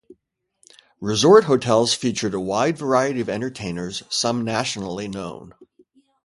Resort hotels featured a wide variety of entertainers, some nationally known.